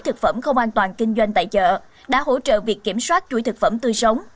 thực phẩm không an toàn kinh doanh tại chợ đã hỗ trợ việc kiểm soát chuỗi thực phẩm tươi sống